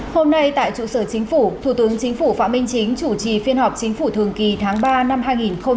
hôm nay tại trụ sở chính phủ thủ tướng chính phủ phạm minh chính chủ trì phiên họp chính phủ thường kỳ tháng ba năm hai nghìn hai mươi